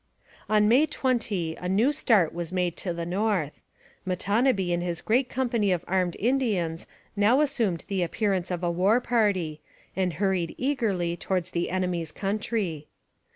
On May 20, a new start was made to the north. Matonabbee and his great company of armed Indians now assumed the appearance of a war party, and hurried eagerly towards the enemy's country.